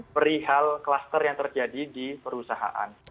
perihal kluster yang terjadi di perusahaan